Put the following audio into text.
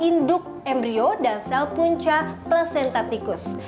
sel induk embryo dan sel punca plasentatikus